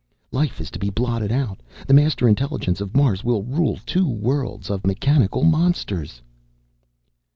"Life is to be blotted out! The Master Intelligence of Mars will rule two worlds of mechanical monsters!"